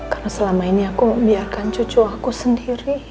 karena selama ini aku membiarkan cucu aku sendiri